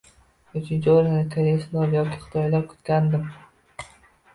Uchinchi o‘rinda koreyslar yoki xitoylarni kutgandim.